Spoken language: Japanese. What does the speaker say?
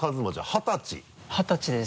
二十歳です。